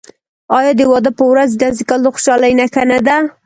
آیا د واده په ورځ ډزې کول د خوشحالۍ نښه نه ده؟